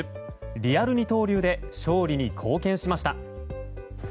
リアル二刀流で勝利に貢献しました。